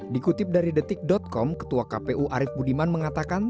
dikutip dari detik com ketua kpu arief budiman mengatakan